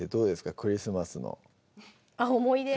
クリスマスの思い出？